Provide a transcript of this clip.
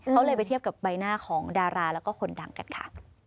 เขาเลยไปเทียบกับใบหน้าของดาราแล้วก็คนดังกันค่ะ